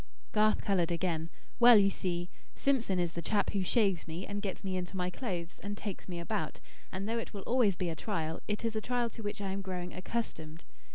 Garth coloured again. "Well, you see, Simpson is the chap who shaves me, and gets me into my clothes, and takes me about; and, though it will always be a trial, it is a trial to which I am growing accustomed.